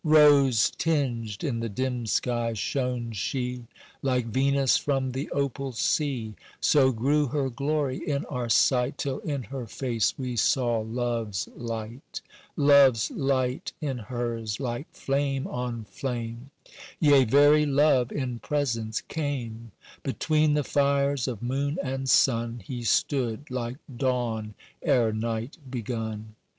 "Rose tinged in the dim sky shone she Like Venus from the opal sea, So grew her glory in our sight, Till in her face we saw love's light, "Love's light in hers, like flame on flame— Yea, very Love in presence came, Between the fires of moon and sun He stood, like dawn ere night begun.